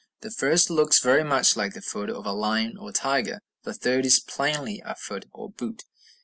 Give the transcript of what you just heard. The first looks very much like the foot of a lion or tiger; the third is plainly a foot or boot.